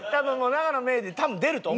「永野芽郁」で多分出ると思う。